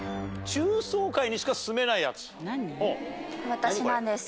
私なんですけど。